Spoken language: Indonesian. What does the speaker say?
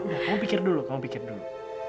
udah kamu pikir dulu kamu pikir dulu